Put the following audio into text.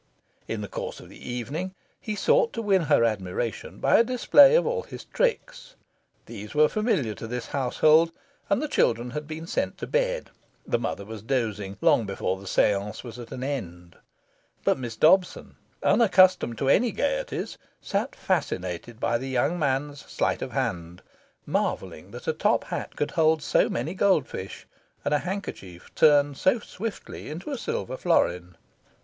In the course of the evening, he sought to win her admiration by a display of all his tricks. These were familiar to this household, and the children had been sent to bed, the mother was dozing, long before the seance was at an end. But Miss Dobson, unaccustomed to any gaieties, sat fascinated by the young man's sleight of hand, marvelling that a top hat could hold so many goldfish, and a handkerchief turn so swiftly into a silver florin.